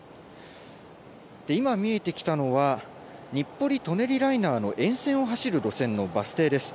今、見えてきたのは、日暮里・舎人ライナーの沿線を走る路線のバス停です。